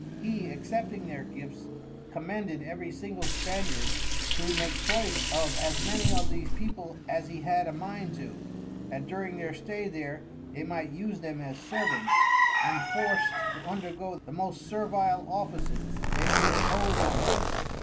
He, accepting their Gifts, commended every single Spaniard to make choice of as many of these People, as he had a mind to, that during their stay there, they might use them as Servants, and forced to undergo the most servile Offices they should impose on them.